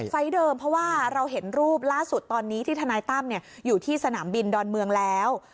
เดิมเพราะว่าเราเห็นรูปล่าสุดตอนนี้ที่ทนายตั้มอยู่ที่สนามบินดอนเมืองแล้ว